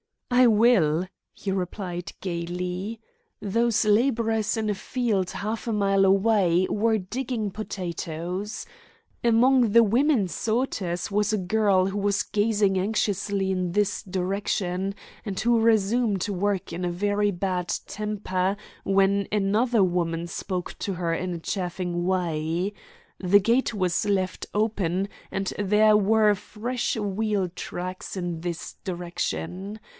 "I will," he replied gaily. "Those labourers in a field half a mile away were digging potatoes. Among the women sorters was a girl who was gazing anxiously in this direction, and who resumed work in a very bad temper when another woman spoke to her in a chaffing way. The gate was left open, and there were fresh wheel tracks in this direction.